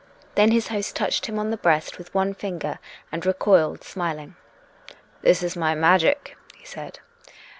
Then his host touched him on the breast with one finger, and recoiled, smiling. " This is my magic," he said.